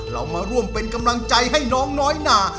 เรามาร่วมเป็นกำลังใจให้น้องน้อยนา